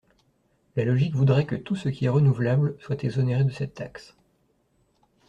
La logique voudrait que tout ce qui est renouvelable soit exonéré de cette taxe.